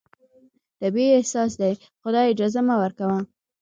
طبیعي احساس دی، خو دا اجازه مه ورکوه